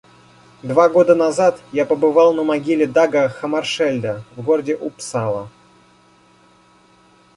Два года назад я побывал на могиле Дага Хаммаршельда в городе Уппсала.